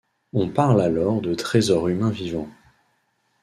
On parle alors de trésor humain vivant.